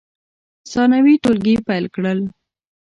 ثانوي ټولګي پیل کړل.